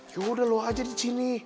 yaudah lo aja di sini